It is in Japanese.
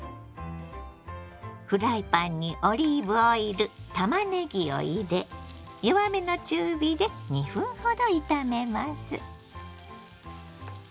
フライパンにオリーブオイルたまねぎを入れ弱めの中火で２分ほど炒めます。